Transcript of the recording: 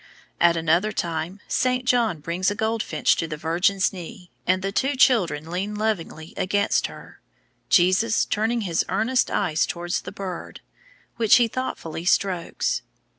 At another time Saint John brings a goldfinch to the Virgin's knee, and the two children lean lovingly against her, Jesus turning his earnest eyes towards the bird, which he thoughtfully strokes.